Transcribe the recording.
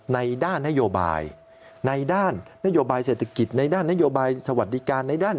ในด้านนโยบายในด้านนโยบายเศรษฐกิจในด้านนโยบายสวัสดิการในด้าน